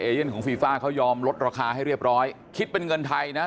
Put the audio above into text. เย่นของฟีฟ่าเขายอมลดราคาให้เรียบร้อยคิดเป็นเงินไทยนะ